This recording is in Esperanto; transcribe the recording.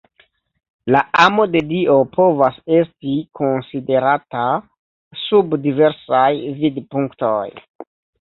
La amo de Dio povas esti konsiderata sub diversaj vidpunktoj.